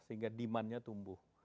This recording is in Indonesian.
sehingga demand nya tumbuh